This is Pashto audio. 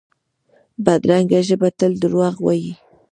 بدرنګه ژبه تل دروغ وايي